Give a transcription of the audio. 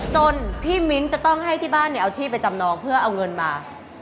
จนพี่มิ้นจะต้องให้ที่บ้านเอาที่ไปจำนองเพื่อเอาเงินมา